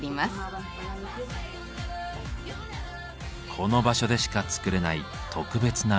この場所でしか作れない特別なラグ。